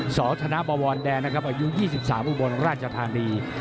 สธนบวรแดนนะครับอายุ๒๓อุบลราชธานี